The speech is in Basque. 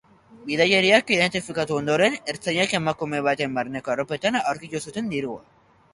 Bidaiariak identifikatu ondoren, ertzainek emakume baten barneko arropetan aurkitu zuten dirua.